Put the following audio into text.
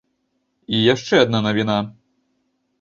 І яшчэ адна навіна.